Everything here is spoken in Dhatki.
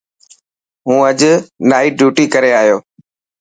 هون اڄ نائٽ ڊيوٽي ڪري آيو.